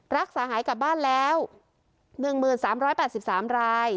รักษาหายกลับบ้านแล้วหนึ่งหมื่นสามร้อยแปดสิบสามราย